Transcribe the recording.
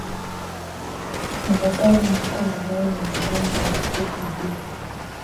Ni metali nzito na laini yenye rangi ya buluu-kijivu.